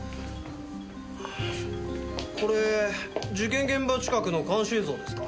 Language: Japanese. これ事件現場近くの監視映像ですか？